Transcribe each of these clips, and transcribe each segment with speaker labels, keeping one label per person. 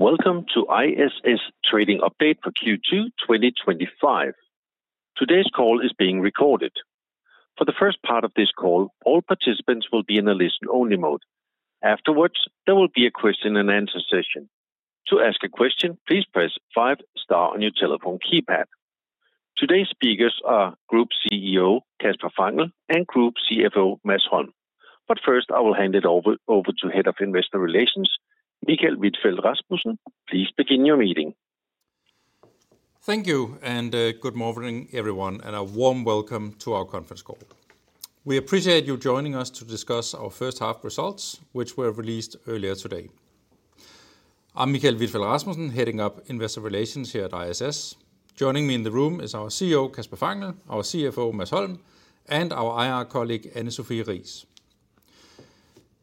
Speaker 1: Welcome to ISS trading update for Q2 2025. Today's call is being recorded. For the first part of this call, all participants will be in a listen-only mode. Afterwards, there will be a question and answer session. To ask a question, please press five star on your telephone keypad. Today's speakers are Group CEO Kasper Fangel and Group CFO Mads Holm. First, I will hand it over to Head of Investor Relations, Michael Vitfell-Rasmussen. Please begin your meeting.
Speaker 2: Thank you, and good morning everyone, and a warm welcome to our conference call. We appreciate you joining us to discuss our first half results, which were released earlier today. I'm Michael Vitfell-Rasmussen, Head of Investor Relations here at ISS. Joining me in the room is our CEO, Kasper Fangel, our CFO, Mads Holm, and our IR colleague, Anne Sophie Riis.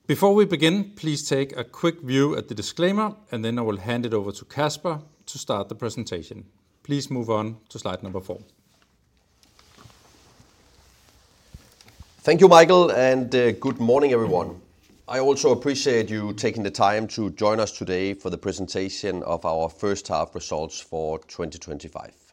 Speaker 2: Before we begin, please take a quick view at the disclaimer, and then I will hand it over to Kasper to start the presentation. Please move on to slide number four.
Speaker 3: Thank you, Michael, and good morning everyone. I also appreciate you taking the time to join us today for the presentation of our first half results for 2025.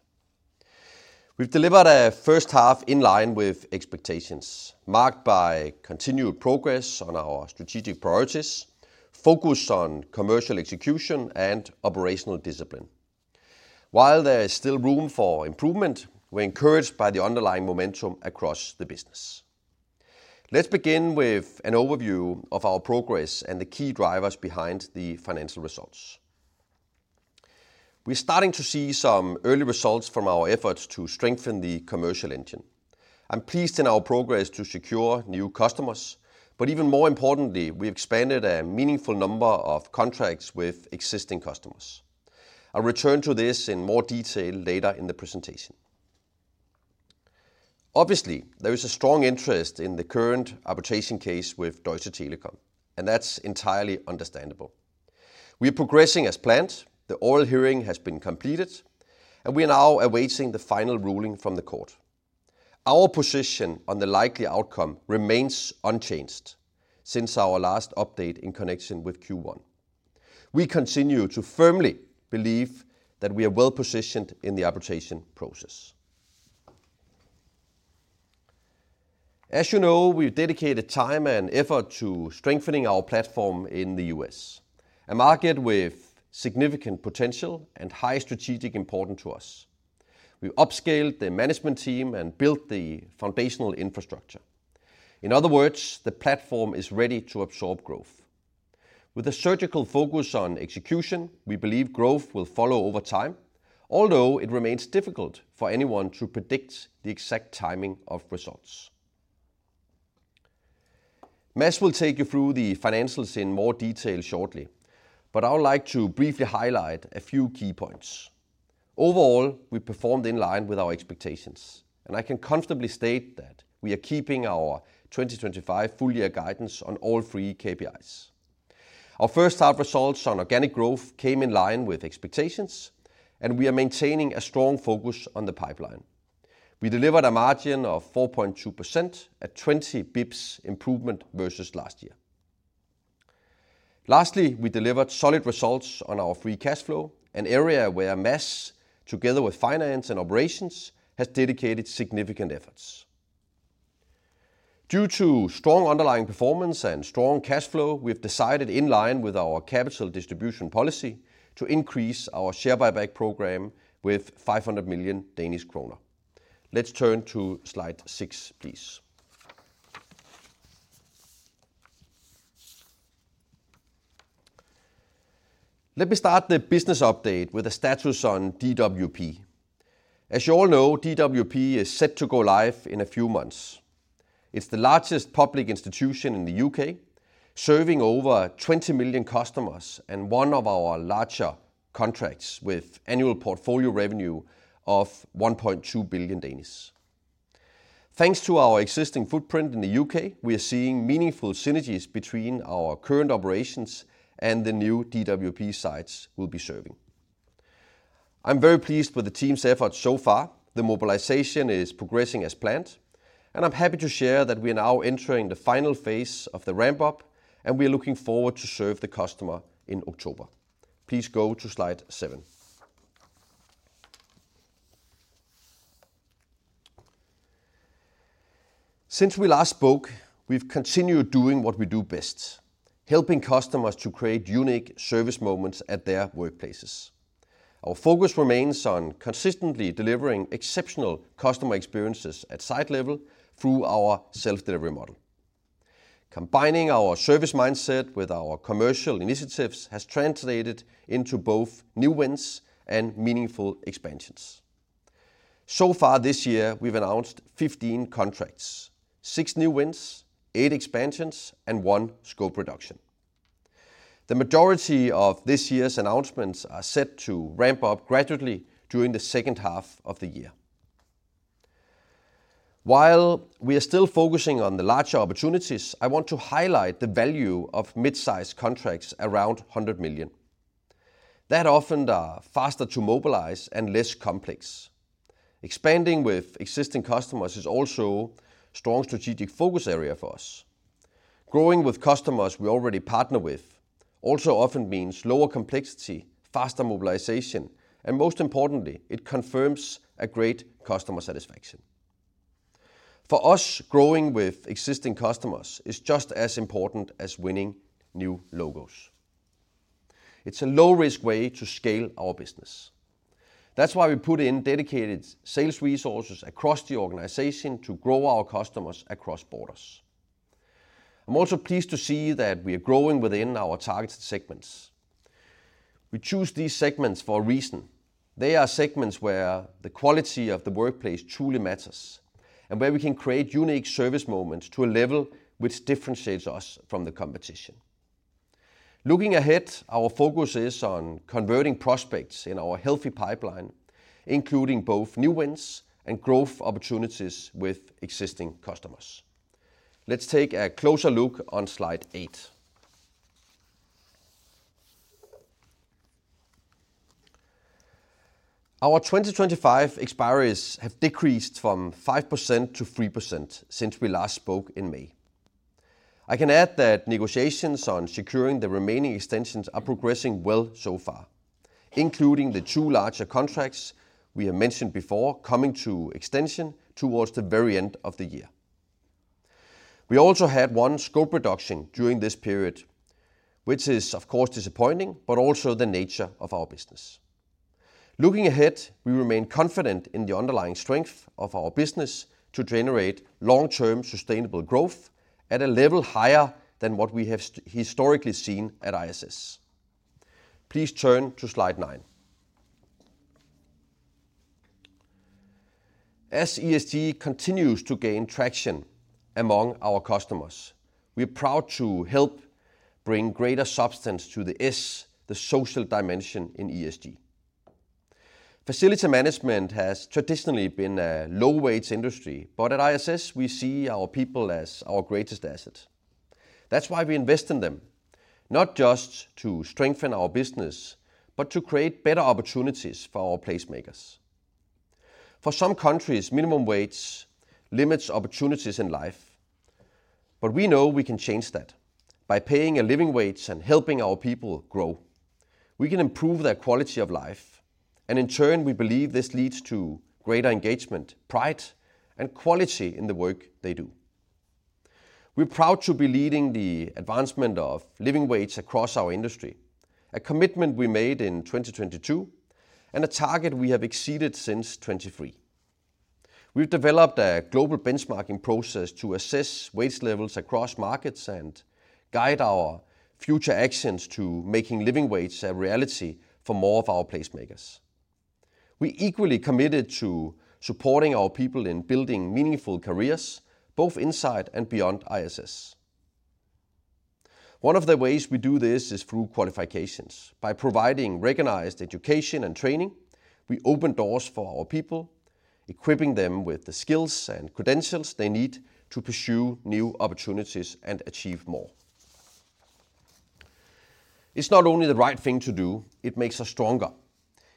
Speaker 3: We've delivered a first half in line with expectations, marked by continued progress on our strategic priorities, focus on commercial execution, and operational discipline. While there is still room for improvement, we're encouraged by the underlying momentum across the business. Let's begin with an overview of our progress and the key drivers behind the financial results. We're starting to see some early results from our efforts to strengthen the commercial engine. I'm pleased in our progress to secure new customers, but even more importantly, we've expanded a meaningful number of contracts with existing customers. I'll return to this in more detail later in the presentation. Obviously, there is a strong interest in the current arbitration case with Deutsche Telekom, and that's entirely understandable. We're progressing as planned. The oral hearing has been completed, and we are now awaiting the final ruling from the court. Our position on the likely outcome remains unchanged since our last update in connection with Q1. We continue to firmly believe that we are well positioned in the arbitration process. As you know, we've dedicated time and effort to strengthening our platform in the U.S., a market with significant potential and high strategic importance to us. We've upscaled the management team and built the foundational infrastructure. In other words, the platform is ready to absorb growth. With a surgical focus on execution, we believe growth will follow over time, although it remains difficult for anyone to predict the exact timing of results. Mads will take you through the financials in more detail shortly, but I would like to briefly highlight a few key points. Overall, we performed in line with our expectations, and I can comfortably state that we are keeping our 2025 full-year guidance on all three KPIs. Our first half results on organic growth came in line with expectations, and we are maintaining a strong focus on the pipeline. We delivered a margin of 4.2% at 20 bps improvement versus last year. Lastly, we delivered solid results on our free cash flow, an area where Mads, together with finance and operations, has dedicated significant efforts. Due to strong underlying performance and strong cash flow, we've decided in line with our capital distribution policy to increase our share buyback program by 500 million Danish kroner. Let's turn to slide six, please. Let me start the business update with the status on DWP. As you all know, DWP is set to go live in a few months. It's the largest public institution in the U.K., serving over 20 million customers and one of our larger contracts with annual portfolio revenue of 1.2 billion. Thanks to our existing footprint in the U.K., we are seeing meaningful synergies between our current operations and the new DWP sites we'll be serving. I'm very pleased with the team's efforts so far. The mobilization is progressing as planned, and I'm happy to share that we are now entering the final phase of the ramp-up, and we are looking forward to serve the customer in October. Please go to slide seven. Since we last spoke, we've continued doing what we do best: helping customers to create unique service moments at their workplaces. Our focus remains on consistently delivering exceptional customer experiences at site level through our self-delivery model. Combining our service mindset with our commercial initiatives has translated into both new wins and meaningful expansions. So far this year, we've announced 15 contracts, six new wins, eight expansions, and one scope reduction. The majority of this year's announcements are set to ramp up gradually during the second half of the year. While we are still focusing on the larger opportunities, I want to highlight the value of mid-sized contracts around 100 million. That often is faster to mobilize and less complex. Expanding with existing customers is also a strong strategic focus area for us. Growing with customers we already partner with also often means lower complexity, faster mobilization, and most importantly, it confirms a great customer satisfaction. For us, growing with existing customers is just as important as winning new logos. It's a low-risk way to scale our business. That's why we put in dedicated sales resources across the organization to grow our customers across borders. I'm also pleased to see that we are growing within our target segments. We choose these segments for a reason. They are segments where the quality of the workplace truly matters and where we can create unique service moments to a level which differentiates us from the competition. Looking ahead, our focus is on converting prospects in our healthy pipeline, including both new wins and growth opportunities with existing customers. Let's take a closer look on slide eight. Our 2025 expiry has decreased from 5% to 3% since we last spoke in May. I can add that negotiations on securing the remaining extensions are progressing well so far, including the two larger contracts we have mentioned before coming to extension towards the very end of the year. We also had one scope reduction during this period, which is, of course, disappointing but also the nature of our business. Looking ahead, we remain confident in the underlying strength of our business to generate long-term sustainable growth at a level higher than what we have historically seen at ISS. Please turn to slide nine. As ESG continues to gain traction among our customers, we're proud to help bring greater substance to the S, the social dimension in ESG. Facility management has traditionally been a low-wage industry, but at ISS, we see our people as our greatest asset. That's why we invest in them, not just to strengthen our business but to create better opportunities for our placemakers. For some countries, minimum wage limits opportunities in life, but we know we can change that by paying a living wage and helping our people grow. We can improve their quality of life, and in turn, we believe this leads to greater engagement, pride, and quality in the work they do. We're proud to be leading the advancement of living wage across our industry, a commitment we made in 2022 and a target we have exceeded since 2023. We've developed a global benchmarking process to assess wage levels across markets and guide our future actions to making living wage a reality for more of our placemakers. We're equally committed to supporting our people in building meaningful careers, both inside and beyond ISS. One of the ways we do this is through qualifications. By providing recognized education and training, we open doors for our people, equipping them with the skills and credentials they need to pursue new opportunities and achieve more. It's not only the right thing to do, it makes us stronger.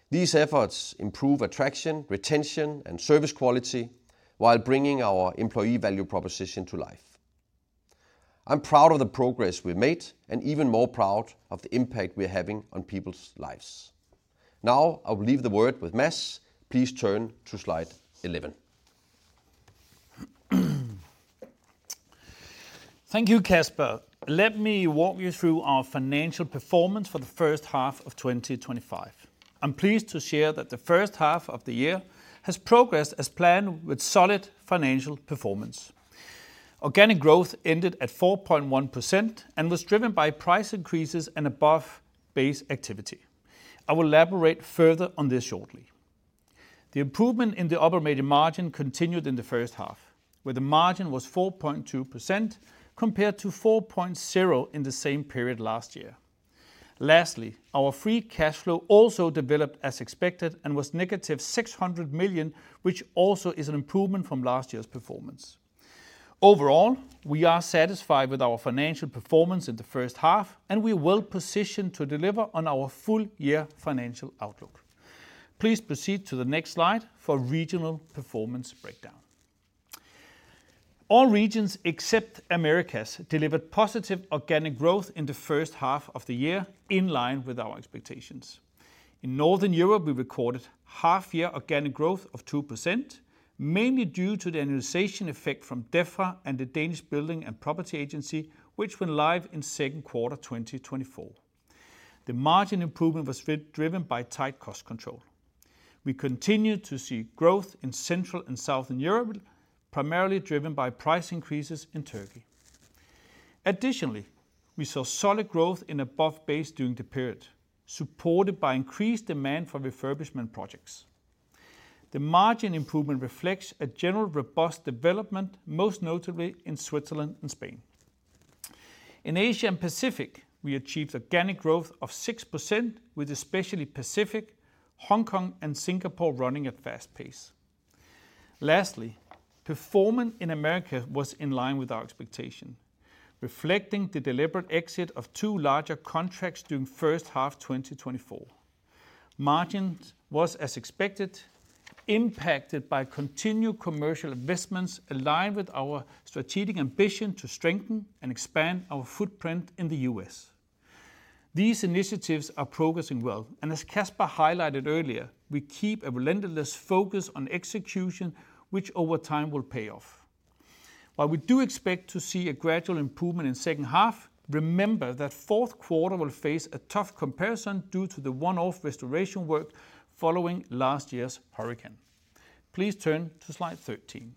Speaker 3: These efforts improve attraction, retention, and service quality while bringing our employee value proposition to life. I'm proud of the progress we've made and even more proud of the impact we're having on people's lives. Now, I'll leave the word with Mads. Please turn to slide 11.
Speaker 4: Thank you, Kasper. Let me walk you through our financial performance for the first half of 2025. I'm pleased to share that the first half of the year has progressed as planned with solid financial performance. Organic growth ended at 4.1% and was driven by price increases and above-base activity. I will elaborate further on this shortly. The improvement in the operating margin continued in the first half, where the margin was 4.2% compared to 4.0% in the same period last year. Lastly, our free cash flow also developed as expected and was -600 million, which also is an improvement from last year's performance. Overall, we are satisfied with our financial performance in the first half, and we're well positioned to deliver on our full-year financial outlook. Please proceed to the next slide for regional performance breakdown. All regions except Americas delivered positive organic growth in the first half of the year, in line with our expectations. In Northern Europe, we recorded half-year organic growth of 2%, mainly due to the annualization effect from DEFA and the Danish Building and Property Agency, which went live in second quarter 2024. The margin improvement was driven by tight cost control. We continued to see growth in Central and Southern Europe, primarily driven by price increases in Turkey. Additionally, we saw solid growth in above-base during the period, supported by increased demand for refurbishment projects. The margin improvement reflects a general robust development, most notably in Switzerland and Spain. In Asia-Pacific, we achieved organic growth of 6%, with especially Pacific, Hong Kong, and Singapore running at fast pace. Lastly, performance in Americas was in line with our expectation, reflecting the deliberate exit of two larger contracts during first half 2024. Margin was as expected, impacted by continued commercial investments aligned with our strategic ambition to strengthen and expand our footprint in the U.S. These initiatives are progressing well, and as Kasper highlighted earlier, we keep a relentless focus on execution, which over time will pay off. While we do expect to see a gradual improvement in the second half, remember that the fourth quarter will face a tough comparison due to the one-off restoration work following last year's hurricane. Please turn to slide 13.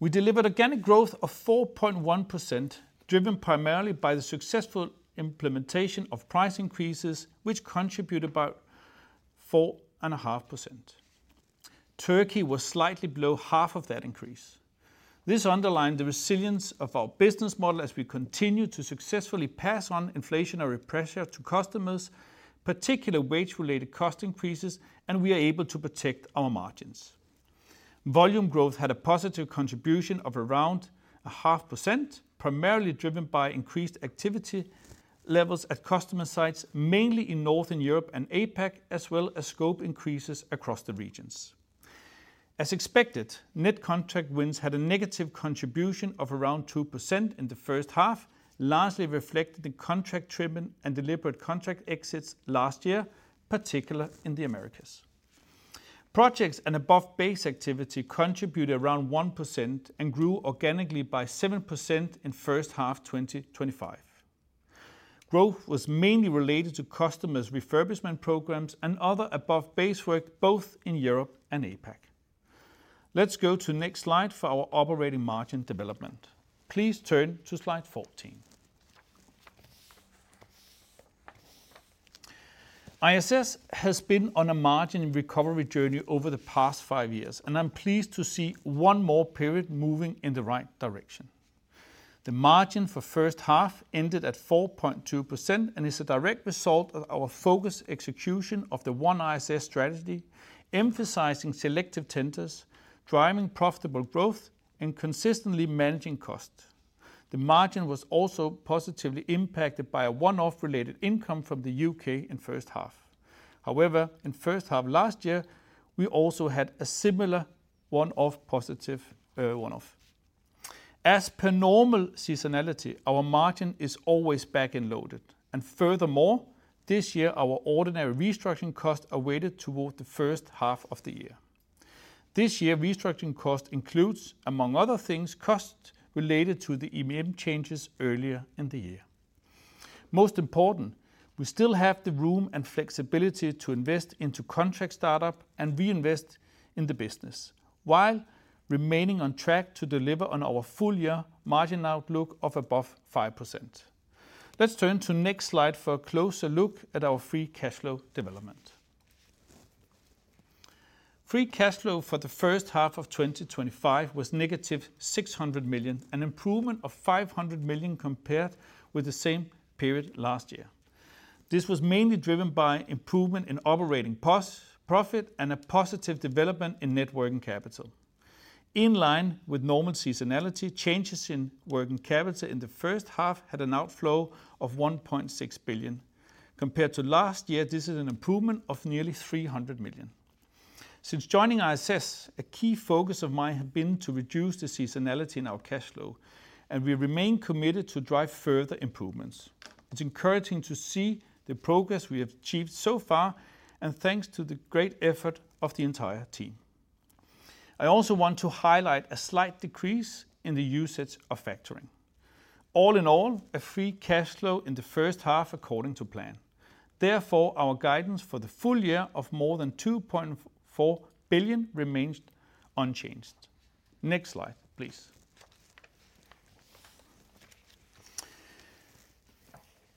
Speaker 4: We delivered organic growth of 4.1%, driven primarily by the successful implementation of price increases, which contributed about 4.5%. Turkey was slightly below half of that increase. This underlined the resilience of our business model as we continued to successfully pass on inflationary pressure to customers, particularly wage-related cost increases, and we were able to protect our margins. Volume growth had a positive contribution of around 0.5%, primarily driven by increased activity levels at customer sites, mainly in Northern Europe and APAC, as well as scope increases across the regions. As expected, net contract wins had a negative contribution of around 2% in the first half, largely reflected in contract trimming and deliberate contract exits last year, particularly in the Americas. Projects and above-base activity contributed around 1% and grew organically by 7% in first half 2025. Growth was mainly related to customers' refurbishment programs and other above-base work, both in Europe and APAC. Let's go to the next slide for our operating margin development. Please turn to slide 14. ISS has been on a margin recovery journey over the past five years, and I'm pleased to see one more period moving in the right direction. The margin for the first half ended at 4.2% and is a direct result of our focused execution of the OneISS strategy, emphasizing selective tenders, driving profitable growth, and consistently managing costs. The margin was also positively impacted by a one-off related income from the U.K. in the first half. However, in the first half last year, we also had a similar one-off positive one-off. As per normal seasonality, our margin is always back-end loaded, and furthermore, this year, our ordinary restructuring costs are weighted towards the first half of the year. This year, restructuring costs include, among other things, costs related to the EBM changes earlier in the year. Most important, we still have the room and flexibility to invest into contract startup and reinvest in the business, while remaining on track to deliver on our full-year margin outlook of above 5%. Let's turn to the next slide for a closer look at our free cash flow development. Free cash flow for the first half of 2025 was -600 million, an improvement of 500 million compared with the same period last year. This was mainly driven by improvement in operating profit and a positive development in net working capital. In line with normal seasonality, changes in working capital in the first half had an outflow of 1.6 billion. Compared to last year, this is an improvement of nearly 300 million. Since joining ISS, a key focus of mine has been to reduce the seasonality in our cash flow, and we remain committed to drive further improvements. It's encouraging to see the progress we have achieved so far, and thanks to the great effort of the entire team. I also want to highlight a slight decrease in the usage of factoring. All in all, a free cash flow in the first half according to plan. Therefore, our guidance for the full year of more than 2.4 billion remains unchanged. Next slide, please.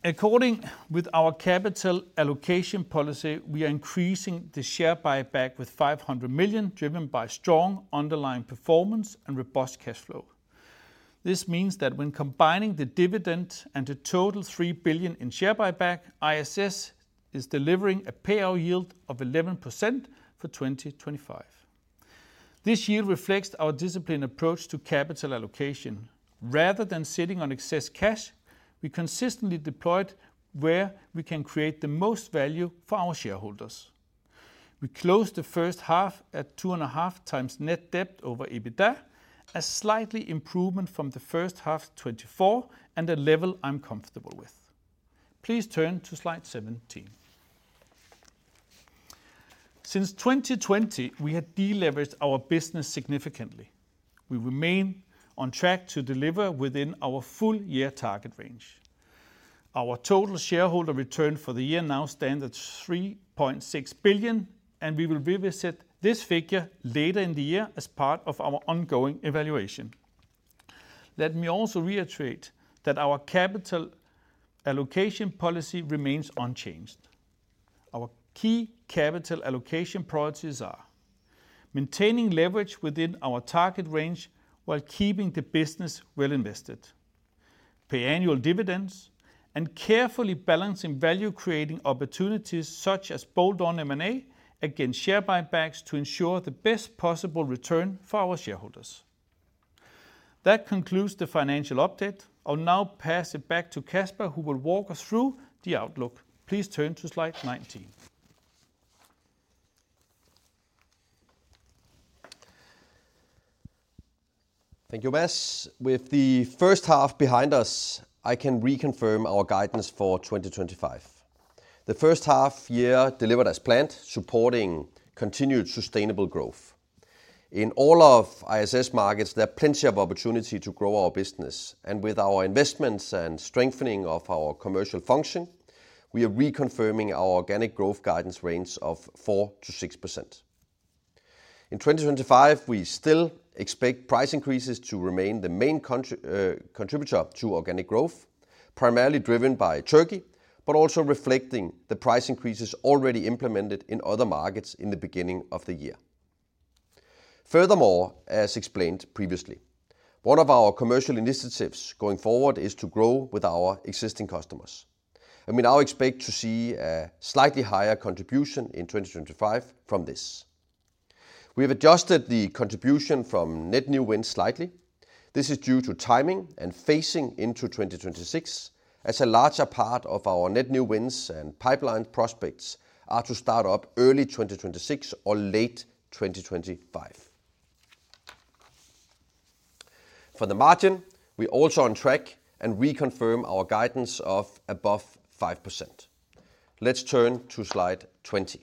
Speaker 4: According with our capital allocation policy, we are increasing the share buyback with 500 million, driven by strong underlying performance and robust cash flow. This means that when combining the dividend and the total 3 billion in share buyback, ISS is delivering a payout yield of 11% for 2025. This yield reflects our disciplined approach to capital allocation. Rather than sitting on excess cash, we consistently deploy where we can create the most value for our shareholders. We closed the first half at 2.5x net debt over EBITDA, a slight improvement from the first half of 2024 and a level I'm comfortable with. Please turn to slide 17. Since 2020, we have deleveraged our business significantly. We remain on track to deliver within our full-year target range. Our total shareholder return for the year now stands at 3.6 billion, and we will revisit this figure later in the year as part of our ongoing evaluation. Let me also reiterate that our capital allocation policy remains unchanged. Our key capital allocation priorities are maintaining leverage within our target range while keeping the business well invested, paying annual dividends, and carefully balancing value-creating opportunities such as bolt-on M&A against share buybacks to ensure the best possible return for our shareholders. That concludes the financial update. I'll now pass it back to Kasper, who will walk us through the outlook. Please turn to slide 19.
Speaker 3: Thank you, Mads. With the first half behind us, I can reconfirm our guidance for 2025. The first half of the year delivered as planned, supporting continued sustainable growth. In all of ISS markets, there are plenty of opportunities to grow our business, and with our investments and strengthening of our commercial function, we are reconfirming our organic growth guidance range of 4%-6%. In 2025, we still expect price increases to remain the main contributor to organic growth, primarily driven by Turkey, but also reflecting the price increases already implemented in other markets in the beginning of the year. Furthermore, as explained previously, one of our commercial initiatives going forward is to grow with our existing customers. I expect to see a slightly higher contribution in 2025 from this. We have adjusted the contribution from net new wins slightly. This is due to timing and phasing into 2026, as a larger part of our net new wins and pipeline prospects are to start up early 2026 or late 2025. For the margin, we're also on track and reconfirm our guidance of above 5%. Let's turn to slide 20.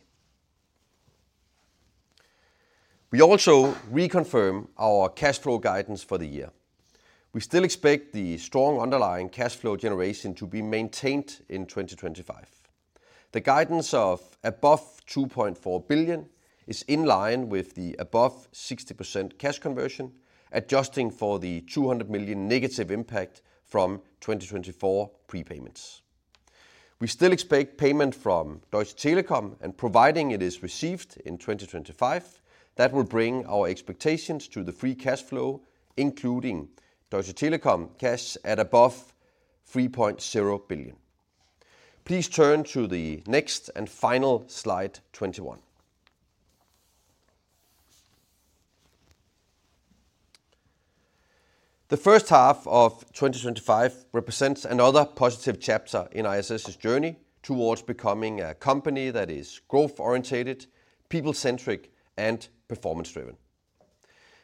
Speaker 3: We also reconfirm our cash flow guidance for the year. We still expect the strong underlying cash flow generation to be maintained in 2025. The guidance of above 2.4 billion is in line with the above 60% cash conversion, adjusting for the 200 million negative impact from 2024 prepayments. We still expect payment from Deutsche Telekom, and providing it is received in 2025, that will bring our expectations to the free cash flow, including Deutsche Telekom cash at above 3.0 billion. Please turn to the next and final slide, 21. The first half of 2025 represents another positive chapter in ISS's journey towards becoming a company that is growth-oriented, people-centric, and performance-driven.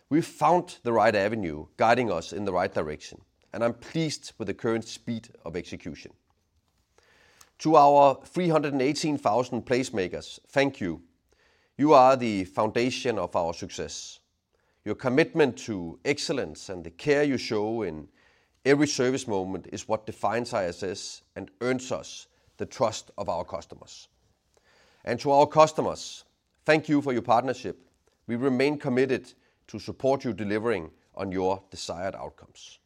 Speaker 3: We've found the right avenue, guiding us in the right direction, and I'm pleased with the current speed of execution. To our 318,000 placemakers, thank you. You are the foundation of our success. Your commitment to excellence and the care you show in every service moment is what defines ISS and earns us the trust of our customers. To our customers, thank you for your partnership. We remain committed to support you delivering on your desired outcomes.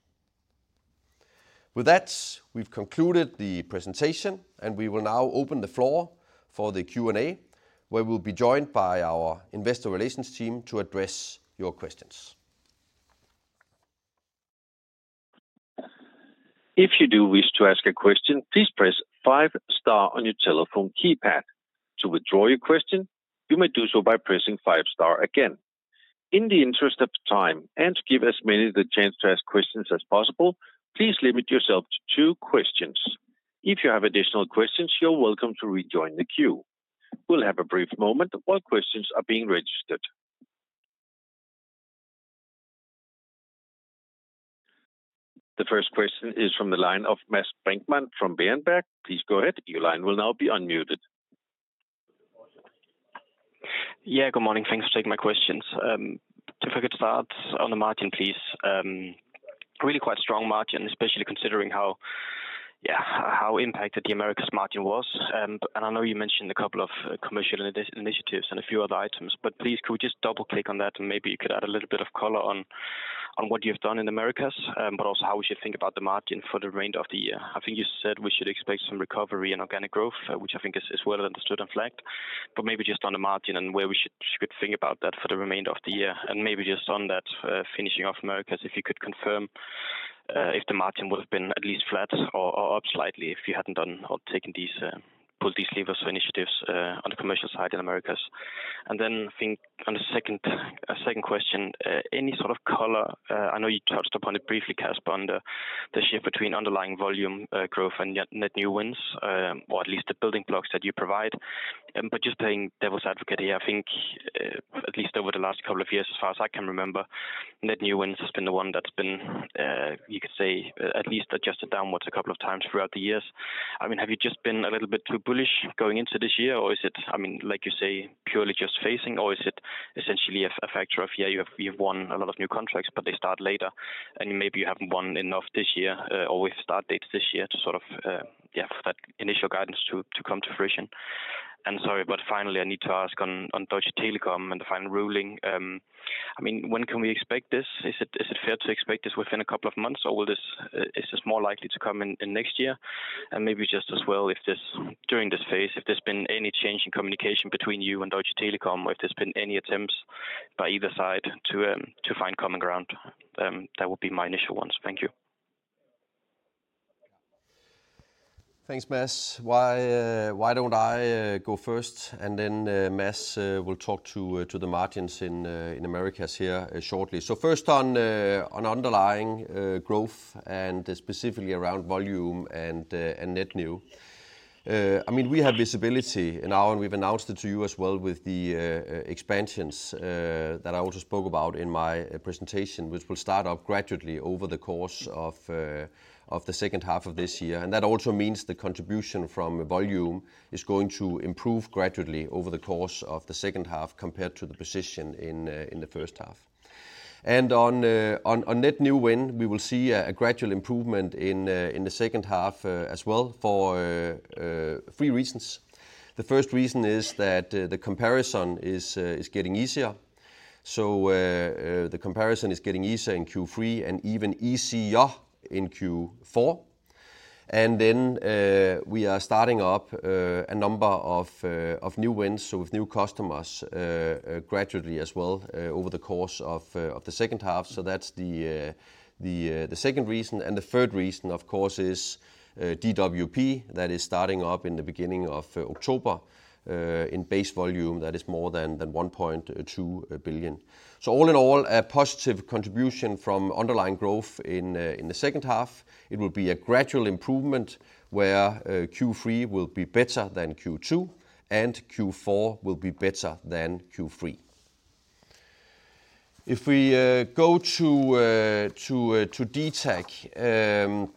Speaker 3: With that, we've concluded the presentation, and we will now open the floor for the Q&A, where we'll be joined by our investor relations team to address your questions.
Speaker 1: If you do wish to ask a question, please press five star on your telephone keypad. To withdraw your question, you may do so by pressing five star again. In the interest of time and to give as many the chance to ask questions as possible, please limit yourself to two questions. If you have additional questions, you're welcome to rejoin the queue. We'll have a brief moment while questions are being registered. The first question is from the line of Mads Brinkmann from Berenberg. Please go ahead. Your line will now be unmuted.
Speaker 5: Good morning. Thanks for taking my questions. If I could start on the margin, please. Really quite a strong margin, especially considering how impacted the Americas margin was. I know you mentioned a couple of commercial initiatives and a few other items, but could we just double-click on that and maybe you could add a little bit of color on what you've done in Americas, but also how we should think about the margin for the remainder of the year. I think you said we should expect some recovery in organic growth, which I think is well understood and flagged, but maybe just on the margin and where we should think about that for the remainder of the year. Maybe just on that, finishing off Americas, if you could confirm if the margin would have been at least flat or up slightly if you hadn't taken these, pulled these levers for initiatives on the commercial side in Americas. On the second question, any sort of color, I know you touched upon it briefly, Kasper, on the shift between underlying volume growth and net new wins, or at least the building blocks that you provide. Just playing devil's advocate here, I think at least over the last couple of years, as far as I can remember, net new wins has been the one that's been, you could say, at least adjusted downwards a couple of times throughout the years. Have you just been a little bit too bullish going into this year, or is it, like you say, purely just phasing, or is it essentially a factor of you have won a lot of new contracts, but they start later, and maybe you haven't won enough this year, or we've started this year for that initial guidance to come to fruition. Finally, I need to ask on Deutsche Telekom and the final ruling. When can we expect this? Is it fair to expect this within a couple of months, or is this more likely to come in next year? During this phase, has there been any change in communication between you and Deutsche Telekom, or have there been any attempts by either side to find common ground? That would be my initial ones. Thank you.
Speaker 3: Thanks, Mads. Why don't I go first, and then Mads will talk to the margins in Americas here shortly. First on underlying growth and specifically around volume and net new. We have visibility now, and we've announced it to you as well with the expansions that I also spoke about in my presentation, which will start up gradually over the course of the second half of this year. That also means the contribution from volume is going to improve gradually over the course of the second half compared to the position in the first half. On net new win, we will see a gradual improvement in the second half as well for three reasons. The first reason is that the comparison is getting easier. The comparison is getting easier in Q3 and even easier in Q4. We are starting up a number of new wins, with new customers gradually as well over the course of the second half. That's the second reason. The third reason, of course, is DWP that is starting up in the beginning of October in base volume that is more than 1.2 billion. All in all, a positive contribution from underlying growth in the second half. It will be a gradual improvement where Q3 will be better than Q2, and Q4 will be better than Q3. If we go to DTAG,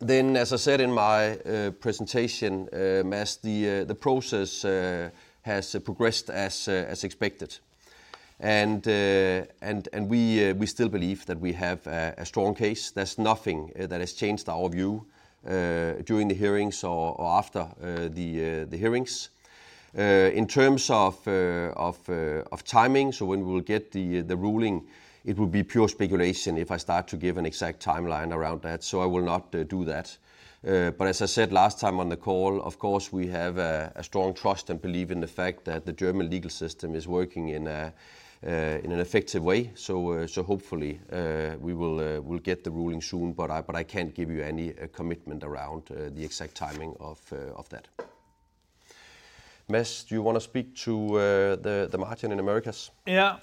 Speaker 3: as I said in my presentation, Mads, the process has progressed as expected. We still believe that we have a strong case. There's nothing that has changed our view during the hearings or after the hearings. In terms of timing, when we will get the ruling, it will be pure speculation if I start to give an exact timeline around that. I will not do that. As I said last time on the call, we have a strong trust and belief in the fact that the German legal system is working in an effective way. Hopefully, we will get the ruling soon, but I can't give you any commitment around the exact timing of that. Mads, do you want to speak to the margin in Americas?
Speaker 4: Yeah.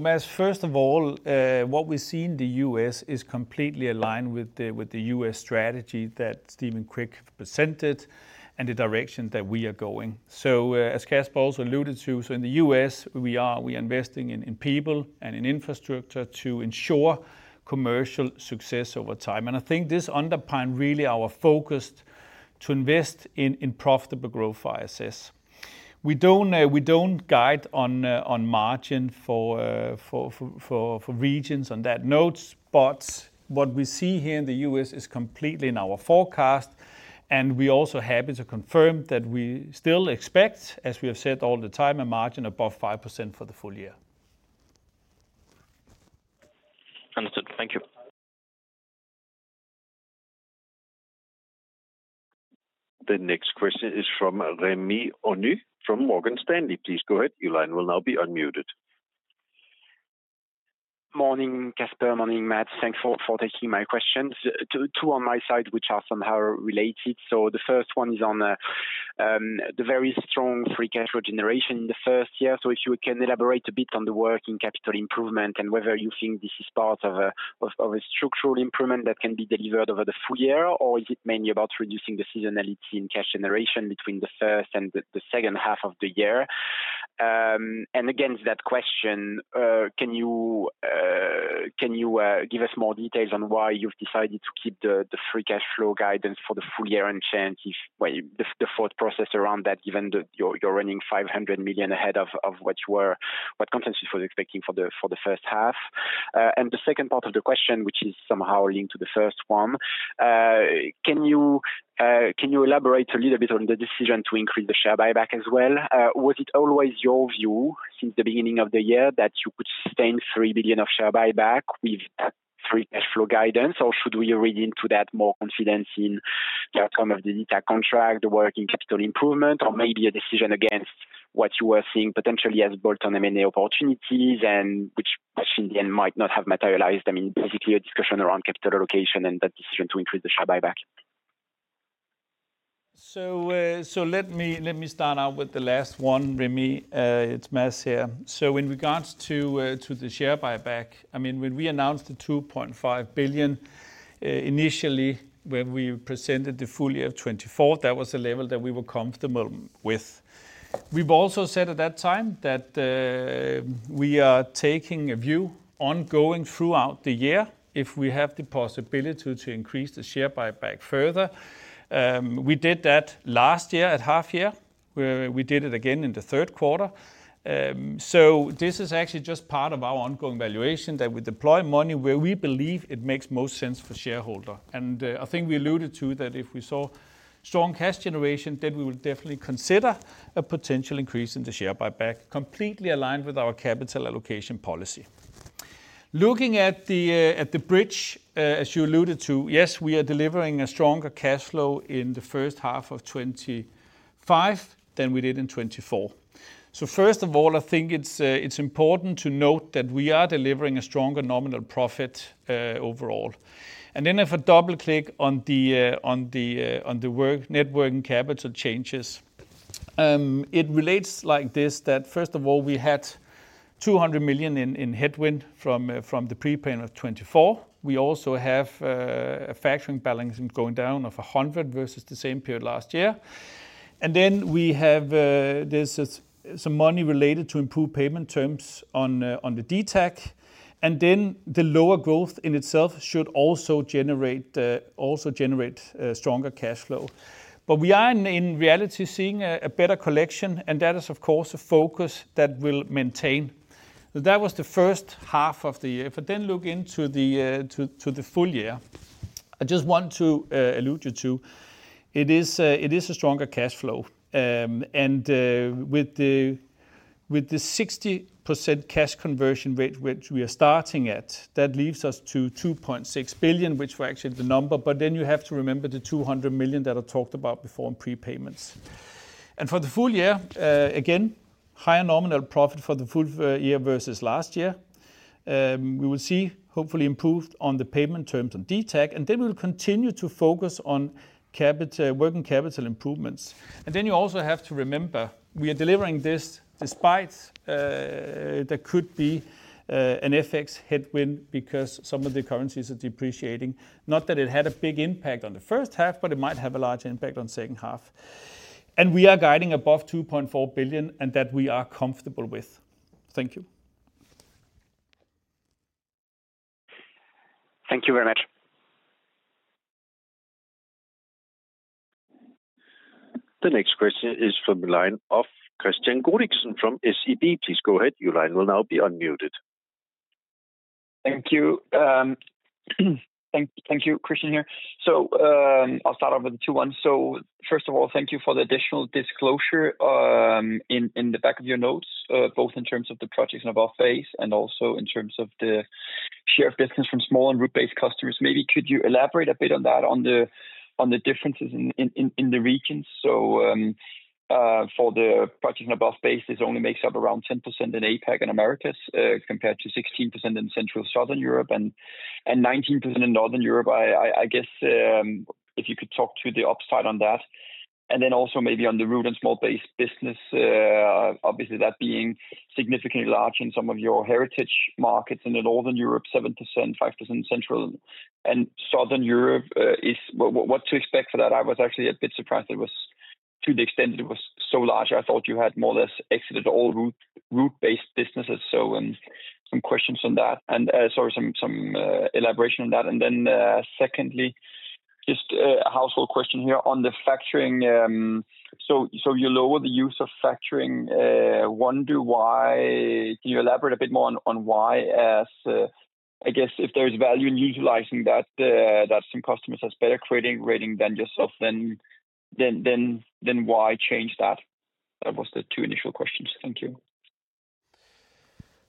Speaker 4: Mads, first of all, what we see in the U.S. is completely aligned with the U.S. strategy that Steven Quick presented and the direction that we are going. As Kasper also alluded to, in the U.S., we are investing in people and in infrastructure to ensure commercial success over time. I think this underpins really our focus to invest in profitable growth for ISS. We don't guide on margin for regions on that note, but what we see here in the U.S. is completely in our forecast. We're also happy to confirm that we still expect, as we have said all the time, a margin above 5% for the full year.
Speaker 5: Understood. Thank you.
Speaker 1: The next question is from Rémi Grenu from Morgan Stanley. Please go ahead. Your line will now be unmuted.
Speaker 6: Morning, Kasper. Morning, Mads. Thanks for taking my questions. Two on my side, which are somehow related. The first one is on the very strong free cash flow generation in the first year. If you can elaborate a bit on the working capital improvement and whether you think this is part of a structural improvement that can be delivered over the full year, or is it mainly about reducing the seasonality in cash generation between the first and the second half of the year? Against that question, can you give us more details on why you've decided to keep the free cash flow guidance for the full year unchanged? The thought process around that, given that you're running 500 million ahead of what consensus was expecting for the first half. The second part of the question, which is somehow linked to the first one, can you elaborate a little bit on the decision to increase the share buyback as well? Was it always your view since the beginning of the year that you could sustain 3 billion of share buyback with free cash flow guidance, or should we read into that more confidence in the outcome of the DWP contract, the working capital improvement, or maybe a decision against what you were seeing potentially as bolt-on M&A opportunities, which actually then might not have materialized? Basically, a discussion around capital allocation and that decision to increase the share buyback.
Speaker 4: Let me start out with the last one, Rémi. It's Mads here. In regards to the share buyback, when we announced the 2.5 billion initially, when we presented the full year of 2024, that was a level that we were comfortable with. We also said at that time that we are taking a view on going throughout the year if we have the possibility to increase the share buyback further. We did that last year at half year. We did it again in the third quarter. This is actually just part of our ongoing evaluation that we deploy money where we believe it makes most sense for shareholders. I think we alluded to that if we saw strong cash generation, then we would definitely consider a potential increase in the share buyback, completely aligned with our capital allocation policy. Looking at the bridge, as you alluded to, yes, we are delivering a stronger cash flow in the first half of 2025 than we did in 2024. First of all, I think it's important to note that we are delivering a stronger nominal profit overall. If I double-click on the net working capital changes, it relates like this: first of all, we had 200 million in headwind from the prepayment of 2024. We also have a factoring balance going down of 100 million versus the same period last year. Then we have some money related to improved payment terms on the DTAG, and the lower growth in itself should also generate stronger cash flow. We are in reality seeing a better collection, and that is, of course, a focus that we'll maintain. That was the first half of the year. If I then look into the full year, I just want to allude to it is a stronger cash flow. With the 60% cash conversion rate, which we are starting at, that leaves us to 2.6 billion, which is actually the number. Then you have to remember the 200 million that I talked about before in prepayments. For the full year, again, higher nominal profit for the full year versus last year. We will see hopefully improved on the payment terms on DTAG, and we will continue to focus on working capital improvements. You also have to remember we are delivering this despite there could be an FX headwind because some of the currencies are depreciating. Not that it had a big impact on the first half, but it might have a larger impact on the second half. We are guiding above 2.4 billion and that we are comfortable with. Thank you.
Speaker 6: Thank you very much.
Speaker 1: The next question is from the line of Kristian Godiksen from SEB. Please go ahead. Your line will now be unmuted.
Speaker 7: Thank you. Thank you, Kristian here. I'll start off with the two ones. First of all, thank you for the additional disclosure in the back of your notes, both in terms of the projects in above phase and also in terms of the share of business from small and root-based customers. Maybe could you elaborate a bit on that, on the differences in the regions? For the projects in above phase, this only makes up around 10% in APAC and Americas compared to 16% in Central and Southern Europe and 19% in Northern Europe. I guess if you could talk to the upside on that. Also, maybe on the root and small-based business, obviously that being significantly larger in some of your heritage markets in Northern Europe, 7%, 5% in Central and Southern Europe, is what to expect for that. I was actually a bit surprised that it was to the extent that it was so large. I thought you had more or less exited all root-based businesses. Some questions on that and some elaboration on that. Secondly, just a household question here on the factoring. You lower the use of factoring. One to why, can you elaborate a bit more on why? I guess if there is value in utilizing that, that some customers have better credit rating than yourself, then why change that? That was the two initial questions. Thank you.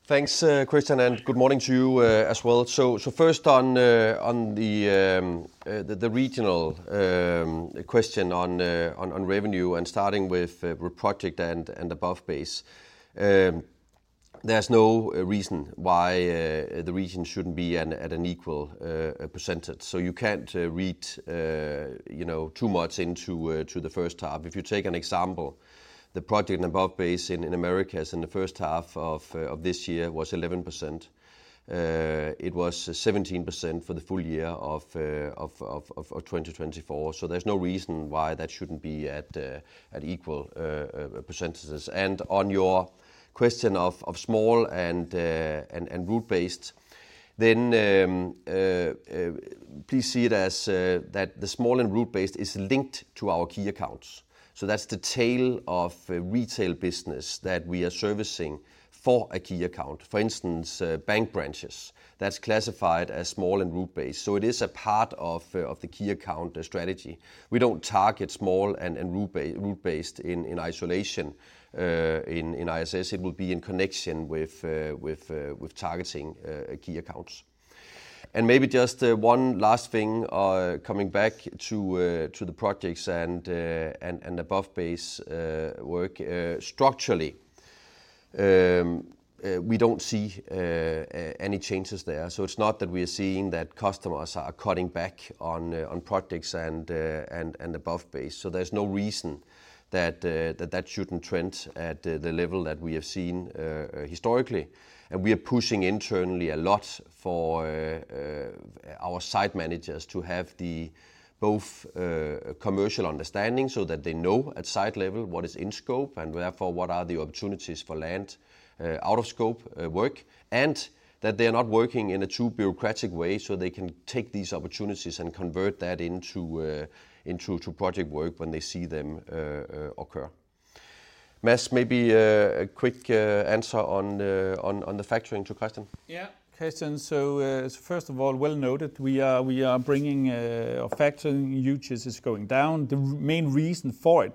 Speaker 3: Thanks, Kristian, and good morning to you as well. First, on the regional question on revenue and starting with project and above base, there's no reason why the region shouldn't be at an equal percentage. You can't read too much into the first half. If you take an example, the project and above base in Americas in the first half of this year was 11%. It was 17% for the full year of 2024. There's no reason why that shouldn't be at equal percentage. On your question of small and root-based, please see it as that the small and root-based is linked to our key accounts. That's the tail of retail business that we are servicing for a key account. For instance, bank branches, that's classified as small and root-based. It is a part of the key account strategy. We don't target small and root-based in isolation. In ISS, it will be in connection with targeting key accounts. Maybe just one last thing coming back to the projects and above base work. Structurally, we don't see any changes there. It's not that we are seeing that customers are cutting back on projects and above base. There's no reason that that shouldn't trend at the level that we have seen historically. We are pushing internally a lot for our site managers to have both commercial understanding so that they know at site level what is in scope and therefore what are the opportunities for land out-of-scope work, and that they are not working in a too bureaucratic way so they can take these opportunities and convert that into project work when they see them occur. Mads, maybe a quick answer on the factoring to question.
Speaker 4: Yeah, Kristian. First of all, well noted. We are bringing our factoring hugely going down. The main reason for it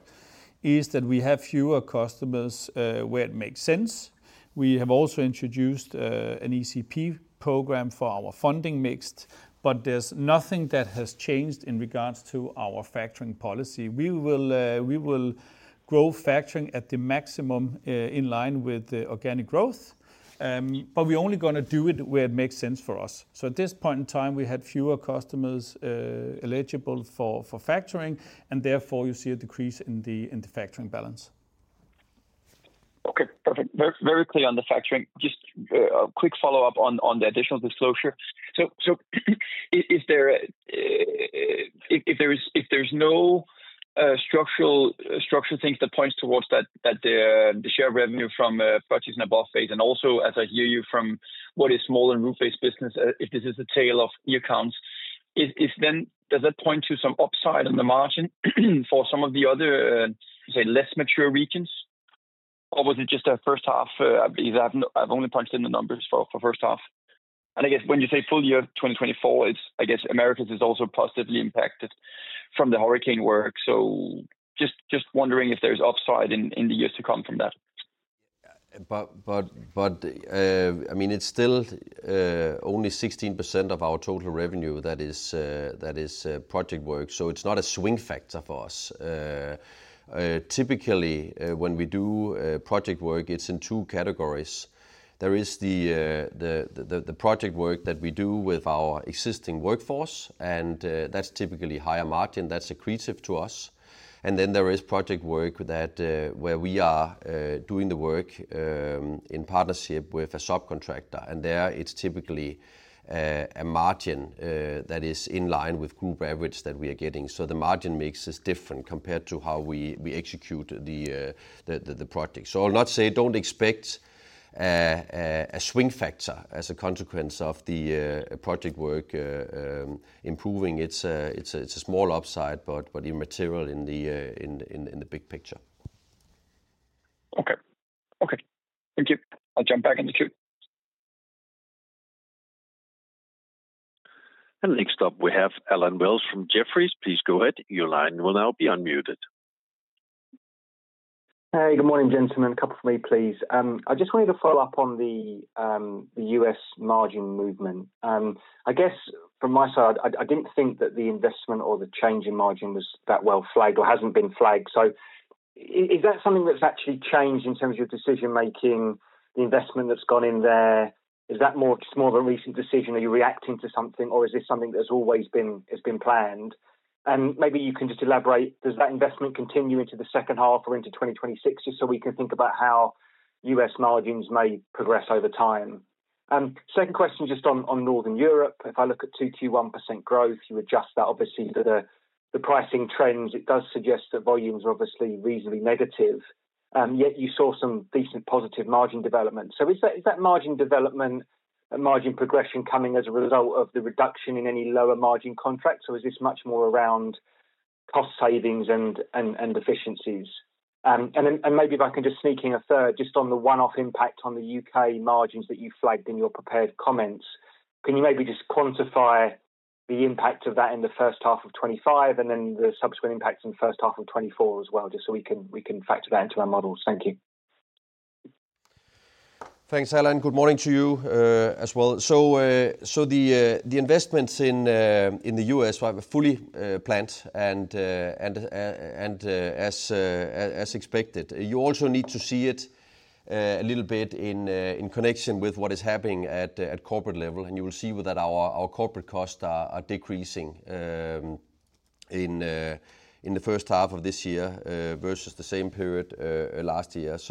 Speaker 4: is that we have fewer customers where it makes sense. We have also introduced an ECP program for our funding mix, but there's nothing that has changed in regards to our factoring policy. We will grow factoring at the maximum in line with organic growth, but we're only going to do it where it makes sense for us. At this point in time, we had fewer customers eligible for factoring, and therefore you see a decrease in the factoring balance.
Speaker 7: Okay, perfect. Very clear on the factoring. Just a quick follow-up on the additional disclosure. If there's no structural things that point towards the share revenue from projects in above base, and also as I hear you from what is small and root-based business, if this is a tail of earcounts, does that point to some upside on the margin for some of the other, say, less mature regions? Or was it just the first half? I've only punched in the numbers for the first half. I guess when you say full year 2024, I guess Americas is also positively impacted from the hurricane work. Just wondering if there's upside in the years to come from that.
Speaker 3: Yeah, but I mean, it's still only 16% of our total revenue that is project work. It's not a swing factor for us. Typically, when we do project work, it's in two categories. There is the project work that we do with our existing workforce, and that's typically a higher margin that's accretive to us. Then there is project work where we are doing the work in partnership with a subcontractor, and there it's typically a margin that is in line with group average that we are getting. The margin mix is different compared to how we execute the project. I'll not say don't expect a swing factor as a consequence of the project work improving. It's a small upside, but immaterial in the big picture.
Speaker 7: Okay, I'll jump back in the queue.
Speaker 1: Next up, we have Allen Wells from Jefferies. Please go ahead. Your line will now be unmuted.
Speaker 8: Hey, good morning, gentlemen. A couple for me, please. I just wanted to follow up on the U.S. margin movement. I guess from my side, I didn't think that the investment or the change in margin was that well flagged or hasn't been flagged. Is that something that's actually changed in terms of your decision-making, the investment that's gone in there? Is that just more of a recent decision? Are you reacting to something, or is this something that's always been planned? Maybe you can just elaborate. Does that investment continue into the second half or into 2026, just so we can think about how U.S. margins may progress over time? Second question, just on Northern Europe, if I look at 2.1% growth, you adjust that obviously to the pricing trends. It does suggest that volumes are obviously reasonably negative, and yet you saw some decent positive margin development. Is that margin development, margin progression coming as a result of the reduction in any lower margin contracts, or is this much more around cost savings and efficiencies? Maybe if I can just sneak in a third, just on the one-off impact on the U.K. margins that you flagged in your prepared comments, can you maybe just quantify the impact of that in the first half of 2025 and then the subsequent impacts in the first half of 2024 as well, just so we can factor that into our models? Thank you.
Speaker 3: Thanks, Allen. Good morning to you as well. The investments in the U.S. are fully planned and as expected. You also need to see it a little bit in connection with what is happening at the corporate level. You will see that our corporate costs are decreasing in the first half of this year versus the same period last year. If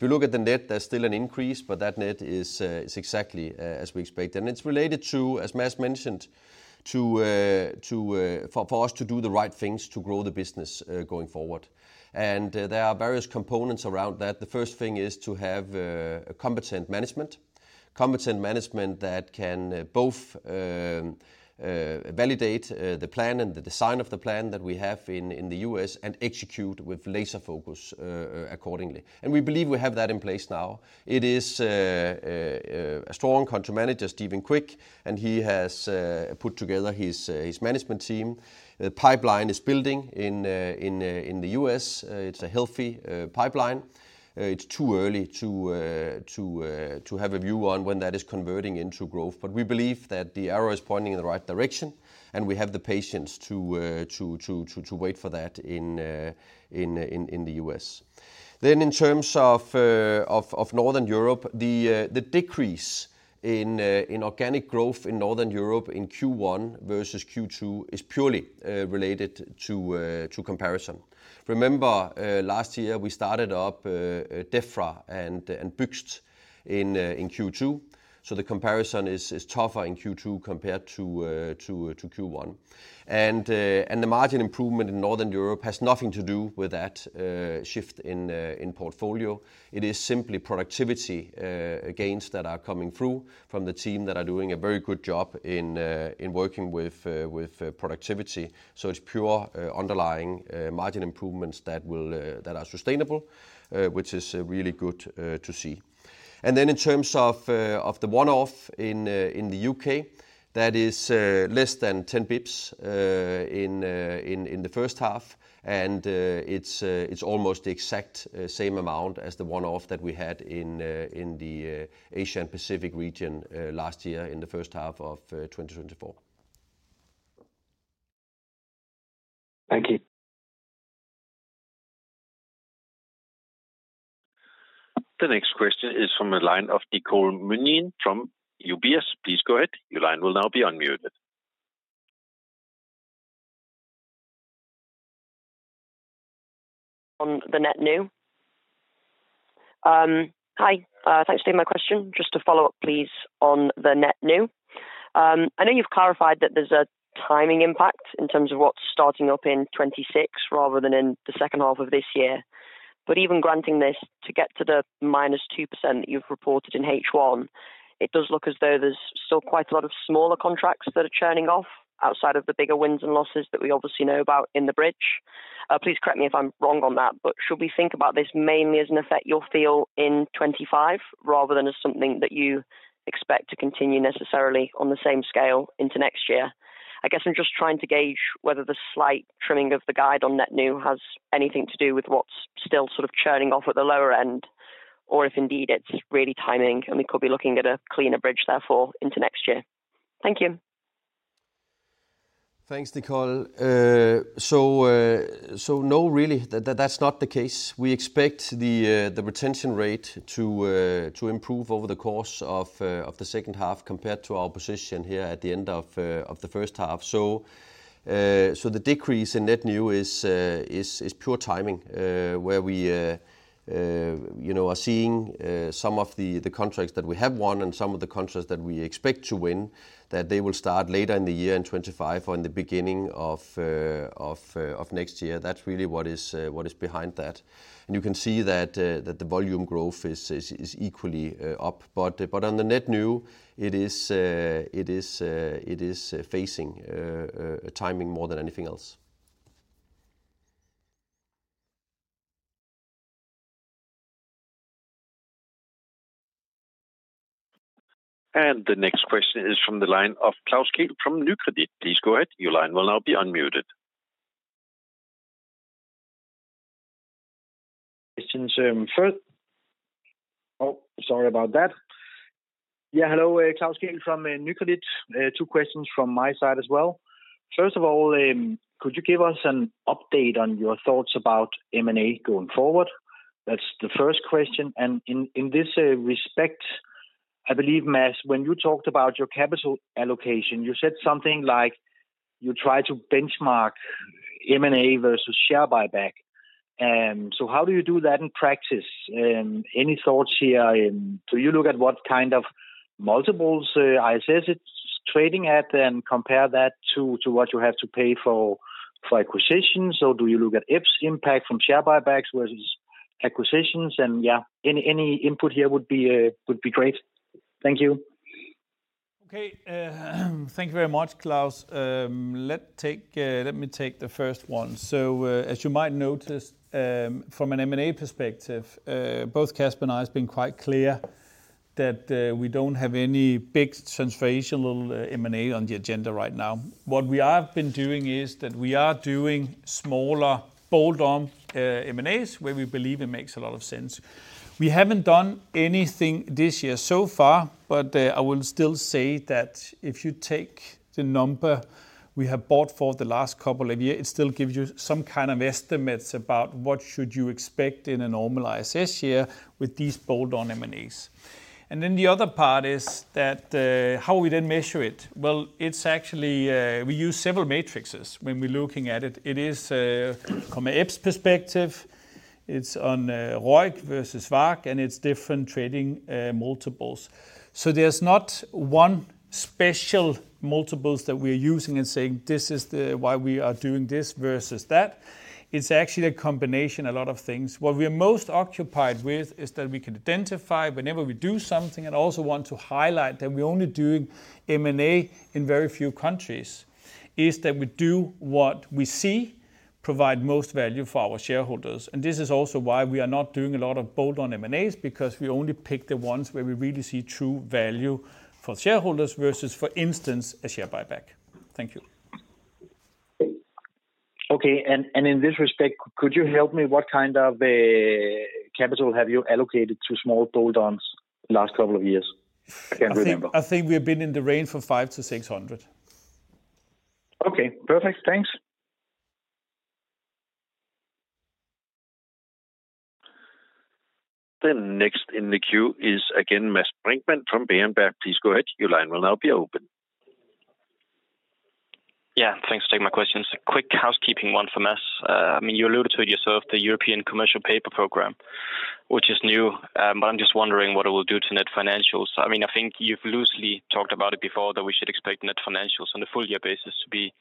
Speaker 3: you look at the net, there's still an increase, but that net is exactly as we expected. It's related to, as Mads mentioned, for us to do the right things to grow the business going forward. There are various components around that. The first thing is to have a competent management, competent management that can both validate the plan and the design of the plan that we have in the U.S. and execute with laser focus accordingly. We believe we have that in place now. It is a strong Country Manager, Steven Quick, and he has put together his management team. The pipeline is building in the U.S. It's a healthy pipeline. It's too early to have a view on when that is converting into growth. We believe that the arrow is pointing in the right direction, and we have the patience to wait for that in the U.S. In terms of Northern Europe, the decrease in organic growth in Northern Europe in Q1 versus Q2 is purely related to comparison. Remember, last year, we started up Defra and [Buxt] in Q2. The comparison is tougher in Q2 compared to Q1. The margin improvement in Northern Europe has nothing to do with that shift in portfolio. It is simply productivity gains that are coming through from the team that are doing a very good job in working with productivity. It's pure underlying margin improvements that are sustainable, which is really good to see. In terms of the one-off in the U.K., that is less than 10 bps in the first half. It's almost the exact same amount as the one-off that we had in the Asia-Pacific region last year in the first half of 2024.
Speaker 1: The next question is from the line of Nicole Manion from UBS. Please go ahead. Your line will now be unmuted.
Speaker 9: On the net new. Hi. Thanks for the question. Just a follow-up, please, on the net new. I know you've clarified that there's a timing impact in terms of what's starting up in 2026 rather than in the second half of this year. Even granting this, to get to the -2% that you've reported in H1, it does look as though there's still quite a lot of smaller contracts that are churning off outside of the bigger wins and losses that we obviously know about in the bridge. Please correct me if I'm wrong on that, but should we think about this mainly as an effect you'll feel in 2025 rather than as something that you expect to continue necessarily on the same scale into next year? I guess I'm just trying to gauge whether the slight trimming of the guide on net new has anything to do with what's still sort of churning off at the lower end or if indeed it's really timing and we could be looking at a cleaner bridge therefore into next year. Thank you.
Speaker 3: Thanks, Nicole. No, really, that's not the case. We expect the retention rate to improve over the course of the second half compared to our position here at the end of the first half. The decrease in net new is pure timing where we are seeing some of the contracts that we have won and some of the contracts that we expect to win, that they will start later in the year in 2025 or in the beginning of next year. That's really what is behind that. You can see that the volume growth is equally up, but on the net new, it is facing timing more than anything else.
Speaker 1: The next question is from the line of Klaus Kehl from Nykredit. Please go ahead. Your line will now be unmuted.
Speaker 10: Questions first. Sorry about that. Hello, Klaus Kehl from Nykredit. Two questions from my side as well. First of all, could you give us an update on your thoughts about M&A going forward? That's the first question. In this respect, I believe, Mads, when you talked about your capital allocation, you said something like you try to benchmark M&A versus share buyback. How do you do that in practice? Any thoughts here? Do you look at what kind of multiples ISS is trading at and compare that to what you have to pay for acquisitions? Do you look at EPS impact from share buybacks versus acquisitions? Any input here would be great. Thank you.
Speaker 4: Okay. Thank you very much, Klaus. Let me take the first one. As you might notice, from an M&A perspective, both Kasper and I have been quite clear that we don't have any big translational M&A on the agenda right now. What we have been doing is that we are doing smaller bolt-on M&As where we believe it makes a lot of sense. We haven't done anything this year so far, but I will still say that if you take the number we have bought for the last couple of years, it still gives you some kind of estimates about what should you expect in a normal ISS year with these bolt-on M&As. The other part is how we then measure it. It's actually we use several matrices when we're looking at it. It is from an EPS perspective. It's on ROIC versus WACC, and it's different trading multiples. There's not one special multiple that we're using and saying this is why we are doing this versus that. It's actually a combination of a lot of things. What we are most occupied with is that we can identify whenever we do something and also want to highlight that we're only doing M&A in very few countries, is that we do what we see provide most value for our shareholders. This is also why we are not doing a lot of bolt-on M&As, because we only pick the ones where we really see true value for shareholders versus, for instance, a share buyback. Thank you.
Speaker 10: Okay. In this respect, could you help me? What kind of capital have you allocated to small bolt-ons in the last couple of years?
Speaker 4: I think we have been in the range from 500 million-600 million.
Speaker 10: Okay. Perfect. Thanks.
Speaker 1: The next in the queue is again Mads Brinkmann from Berenberg. Please go ahead. Your line will now be open.
Speaker 5: Yeah, thanks for taking my questions. A quick housekeeping one for Mads. I mean, you alluded to it yourself, the European Commercial Paper program, which is new, but I'm just wondering what it will do to net financials. I mean, I think you've loosely talked about it before that we should expect net financials on the full-year basis to be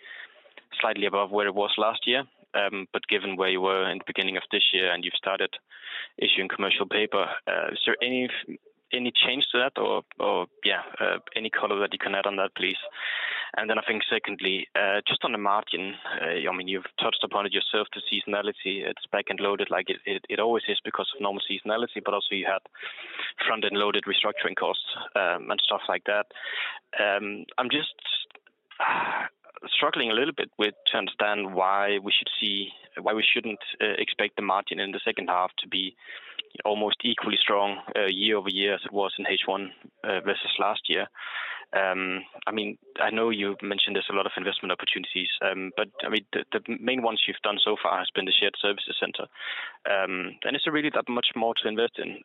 Speaker 5: slightly above where it was last year. Given where you were in the beginning of this year and you've started issuing commercial paper, is there any change to that or, yeah, any color that you can add on that, please? I think secondly, just on the margin, I mean, you've touched upon it yourself, the seasonality. It's back and loaded like it always is because of normal seasonality, but also you had front-end loaded restructuring costs and stuff like that. I'm just struggling a little bit to understand why we should see, why we shouldn't expect the margin in the second half to be almost equally strong year over year as it was in H1 versus last year. I mean, I know you mentioned there's a lot of investment opportunities, but I mean, the main ones you've done so far has been the shared services center. Is there really that much more to invest in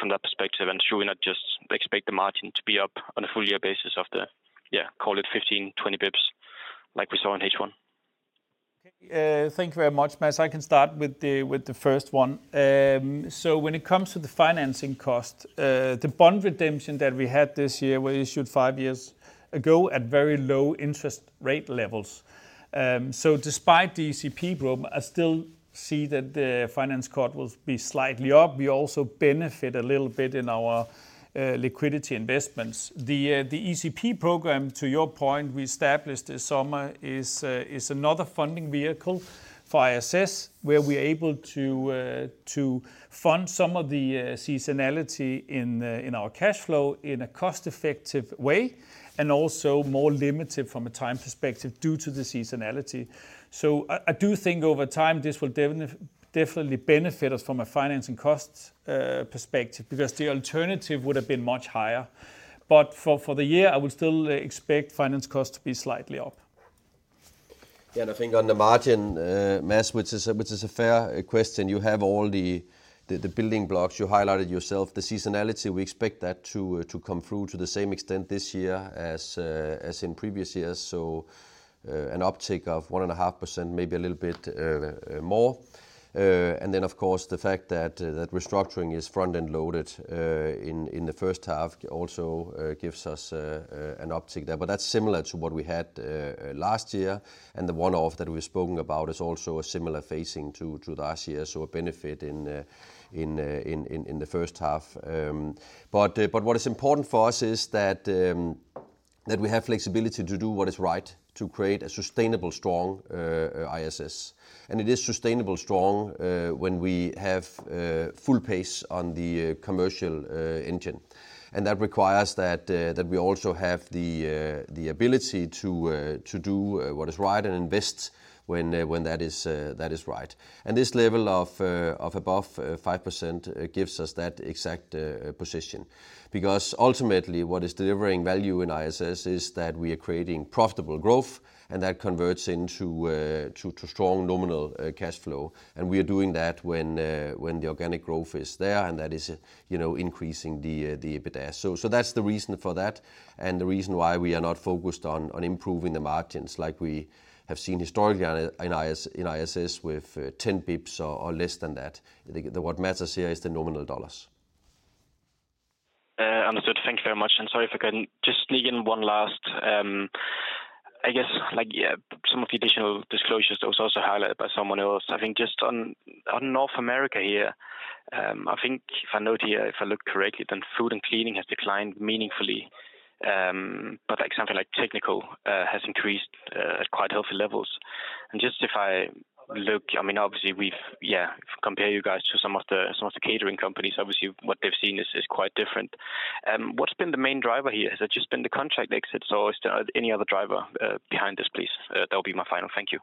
Speaker 5: from that perspective? Should we not just expect the margin to be up on a full-year basis of the, yeah, call it 15 bps-20 bps like we saw in H1?
Speaker 4: Thank you very much, Mads. I can start with the first one. When it comes to the financing cost, the bond redemption that we had this year was issued five years ago at very low interest rate levels. Despite the ECP program, I still see that the finance cost will be slightly up. We also benefit a little bit in our liquidity investments. The ECP program, to your point, we established this summer, is another funding vehicle for ISS where we're able to fund some of the seasonality in our cash flow in a cost-effective way and also more limited from a time perspective due to the seasonality. I do think over time this will definitely benefit us from a financing cost perspective because the alternative would have been much higher. For the year, I will still expect finance costs to be slightly up.
Speaker 3: Yeah, and I think on the margin, Mads, which is a fair question, you have all the building blocks you highlighted yourself. The seasonality, we expect that to come through to the same extent this year as in previous years. An uptake of 1.5%, maybe a little bit more. The fact that restructuring is front-end loaded in the first half also gives us an uptake there. That's similar to what we had last year. The one-off that we've spoken about is also a similar facing to last year, a benefit in the first half. What is important for us is that we have flexibility to do what is right to create a sustainable, strong ISS. It is sustainable, strong when we have full pace on the commercial engine. That requires that we also have the ability to do what is right and invest when that is right. This level of above 5% gives us that exact position because ultimately what is delivering value in ISS is that we are creating profitable growth and that converts into strong nominal cash flow. We are doing that when the organic growth is there and that is increasing the EBITDA. That's the reason for that and the reason why we are not focused on improving the margins like we have seen historically in ISS with 10 basis points or less than that. What matters here is the nominal dollars.
Speaker 5: Understood. Thank you very much. Sorry if I can just sneak in one last, I guess, like some of the additional disclosures that was also highlighted by someone else. I think just on North America here, I think if I note here, if I look correctly, then food and cleaning has declined meaningfully. Something like technical has increased at quite healthy levels. If I look, I mean, obviously, we've compared you guys to some of the catering companies. Obviously, what they've seen is quite different. What's been the main driver here? Has it just been the contract exit? Is there any other driver behind this, please? That would be my final thank you.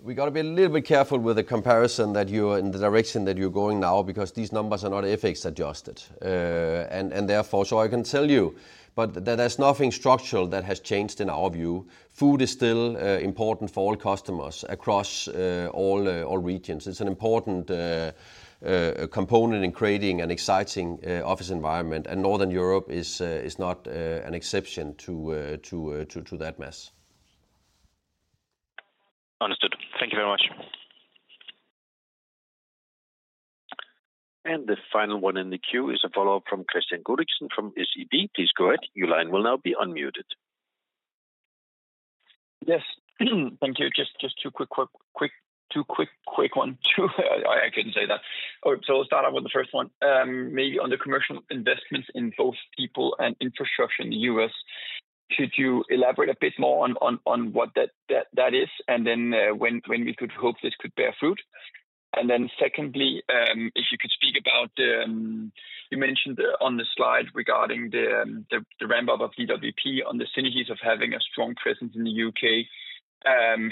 Speaker 3: We got to be a little bit careful with the comparison that you are in the direction that you're going now, because these numbers are not FX adjusted. Therefore, I can tell you, there's nothing structural that has changed in our view. Food is still important for all customers across all regions. It's an important component in creating an exciting office environment. Northern Europe is not an exception to that, Mads.
Speaker 5: Understood. Thank you very much.
Speaker 1: The final one in the queue is a follow-up from Kristian Godiksen from SEB. Please go ahead. Your line will now be unmuted.
Speaker 7: Yes. Thank you. Just two quick ones. I'll start off with the first one. Maybe on the commercial investments in both people and infrastructure in the U.S., could you elaborate a bit more on what that is and when we could hope this could bear fruit? Secondly, you mentioned on the slide regarding the ramp-up of DWP on the synergies of having a strong presence in the U.K.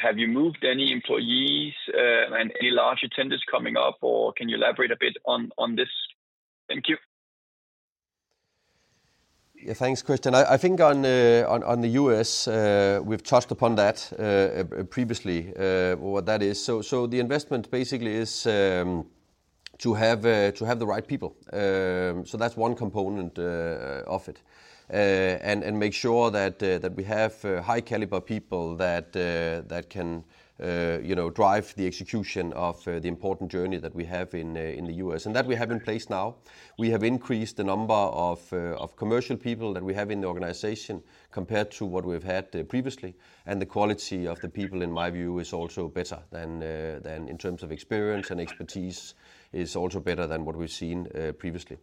Speaker 7: Have you moved any employees and any larger tenders coming up, or can you elaborate a bit on that?
Speaker 3: Yeah, thanks, Kristian. I think on the U.S., we've touched upon that previously, what that is. The investment basically is to have the right people. That's one component of it. Make sure that we have high-caliber people that can drive the execution of the important journey that we have in the U.S., and that we have in place now. We have increased the number of commercial people that we have in the organization compared to what we've had previously. The quality of the people, in my view, is also better in terms of experience and expertise. It's also better than what we've seen previously.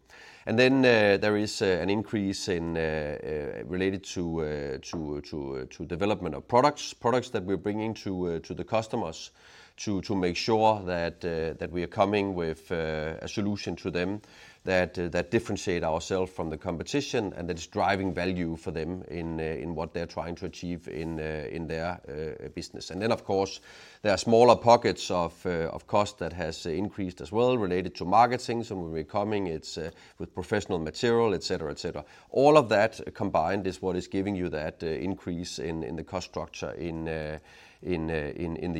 Speaker 3: There is an increase related to development of products, products that we're bringing to the customers to make sure that we are coming with a solution to them that differentiates ourselves from the competition and that is driving value for them in what they're trying to achieve in their business. There are smaller pockets of cost that have increased as well related to marketing and becoming it's with professional material, etc., etc. All of that combined is what is giving you that increase in the cost structure in the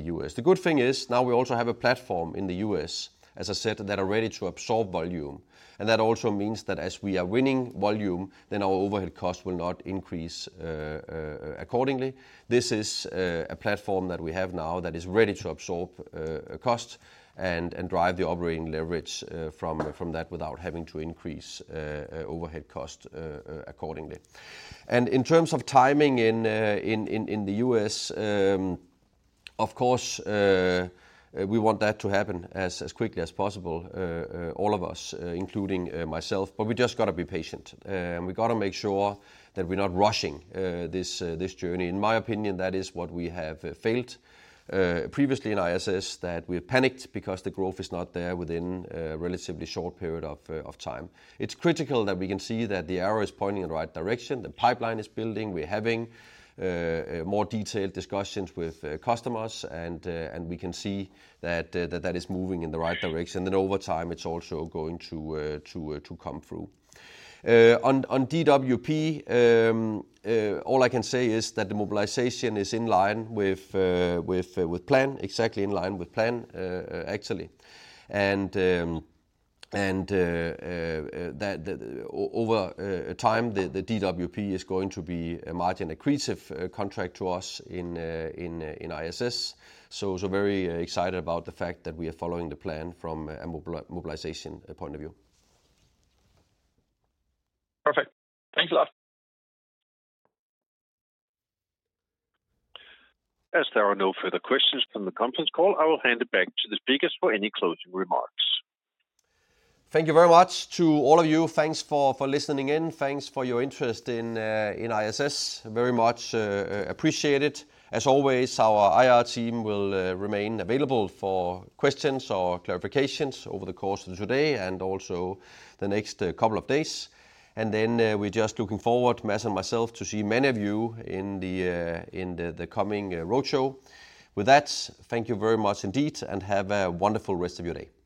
Speaker 3: U.S. The good thing is now we also have a platform in the U.S., as I said, that is ready to absorb volume. That also means that as we are winning volume, our overhead costs will not increase accordingly. This is a platform that we have now that is ready to absorb costs and drive the operating leverage from that without having to increase overhead costs accordingly. In terms of timing in the U.S., of course, we want that to happen as quickly as possible, all of us, including myself. We've just got to be patient. We've got to make sure that we're not rushing this journey. In my opinion, that is what we have failed previously in ISS, that we've panicked because the growth is not there within a relatively short period of time. It's critical that we can see that the arrow is pointing in the right direction, the pipeline is building, we're having more detailed discussions with customers, and we can see that that is moving in the right direction. Over time, it's also going to come through. On DWP, all I can say is that the mobilization is in line with plan, exactly in line with plan, actually. Over time, the DWP is going to be a margin-aggressive contract to us in ISS. We're very excited about the fact that we are following the plan from a mobilization point of view.
Speaker 7: Perfect. Thanks a lot.
Speaker 1: As there are no further questions from the conference call, I will hand it back to the speakers for any closing remarks.
Speaker 3: Thank you very much to all of you. Thanks for listening in. Thanks for your interest in ISS. Very much appreciate it. As always, our IR team will remain available for questions or clarifications over the course of today and also the next couple of days. We are just looking forward, Mads and myself, to see many of you in the coming roadshow. With that, thank you very much indeed and have a wonderful rest of your day.